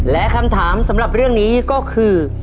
และคำถามสำหรับเรื่องนี้ก็คือ